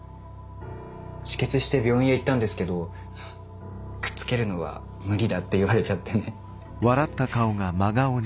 止血して病院へ行ったんですけどくっつけるのは無理だって言われちゃってね。